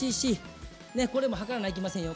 これも量らないけませんよ。